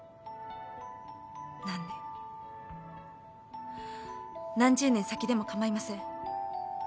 何年何十年先でも構いません。